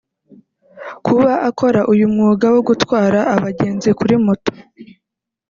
Kuba akora uyu mwuga wo gutwara abagenzi kuri moto